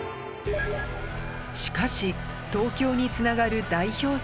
しかし「東京」につながる代表